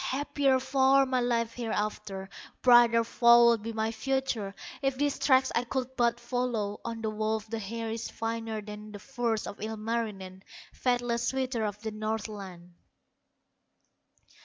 Happier far my life hereafter, Brighter far would be my future, If these tracks I could but follow; On the wolf the hair is finer Than the furs of Ilmarinen, Faithless suitor of the Northland."